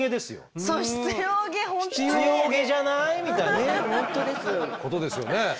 みたいなことですよね。